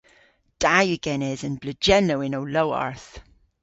Da yw genes an bleujennow yn ow lowarth.